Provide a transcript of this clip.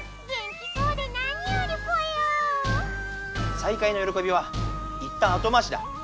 再会のよろこびはいったん後回しだ。